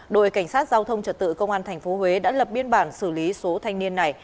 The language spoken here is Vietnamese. đội cảnh sát giao thông trật tự công an tp huế đã lập biên bản xử lý số thanh niên này